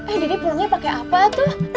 eh dede pulangnya pakai apa tuh